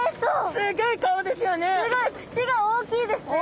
すごい口が大きいですね。